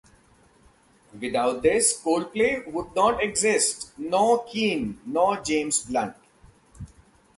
Without this, Coldplay would not exist, nor Keane, nor James Blunt.